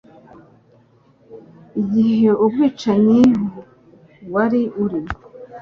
Igihe ubwicanyi wari uri?